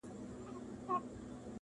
دغزل جامونه وېسي ,